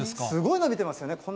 すごい伸びてますよね。